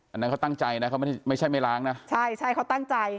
อันนั้นเขาตั้งใจนะเขาไม่ใช่ไม่ใช่ไม่ล้างนะใช่ใช่เขาตั้งใจ